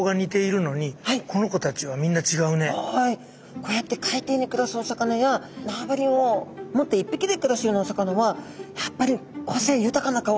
こうやって海底に暮らすお魚や縄張りを持って一匹で暮らすようなお魚はやっぱり個性豊かな顔をしてるんですよね。